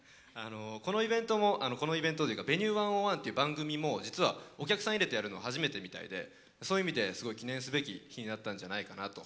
このイベントというか「Ｖｅｎｕｅ１０１」という番組も実はお客さん入れてやるの初めてみたいで、そういう意味ですごい記念すべき日になったんじゃないかなと。